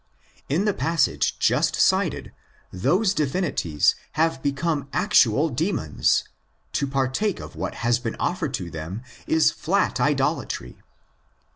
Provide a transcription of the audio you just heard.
In the passage just cited those divinities have become actual '' demons "': to partake of what has been offered to them is flat idolatry.